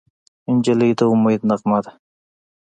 نجلۍ د امید نغمه ده.